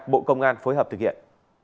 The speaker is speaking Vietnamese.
bộ công an phối hợp thực hiện